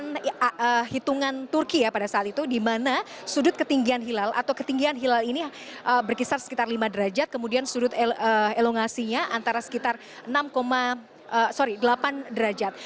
dengan hitungan turki ya pada saat itu di mana sudut ketinggian hilal atau ketinggian hilal ini berkisar sekitar lima derajat kemudian sudut elongasinya antara sekitar enam sorry delapan derajat